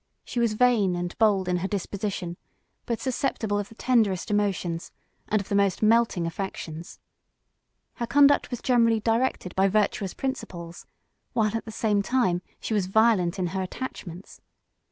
She was vain and bold in her disposition, but susceptible of the tenderest emotions, and of the most melting affections. Her conduct was generally directed by virtuous principles, while at the same time, she was violent in her attachments.